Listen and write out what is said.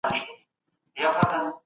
ابن عباس د قران ستر مفسر و.